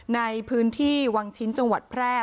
ในพื้นที่วังชิ้นจังหวัดแพร่